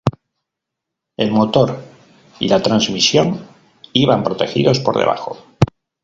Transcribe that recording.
El motor y la transmisión iban protegidos por debajo.